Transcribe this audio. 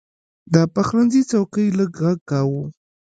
د پخلنځي څوکۍ لږ غږ کاوه.